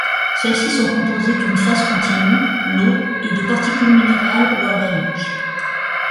Celles-ci sont composées d'une phase continue, l’eau, et de particules minérales ou organiques.